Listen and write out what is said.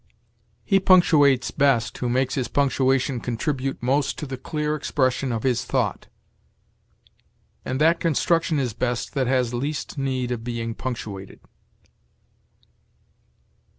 He punctuates best who makes his punctuation contribute most to the clear expression of his thought; and that construction is best that has least need of being punctuated.